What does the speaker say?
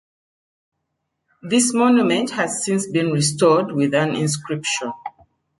This monument has since been restored with an inscription.